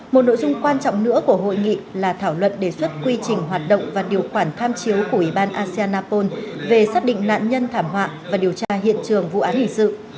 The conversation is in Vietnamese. một nội dung quan trọng nữa của hội nghị là thảo luận đề xuất quy trình hoạt động và điều khoản tham chiếu của ủy ban asean napol về xác định nạn nhân thảm họa và điều tra hiện trường vụ án hình sự